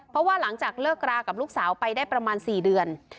เพราะว่าหลังจากเลิกรากับลูกสาวไปได้ประมาณ๔เดือน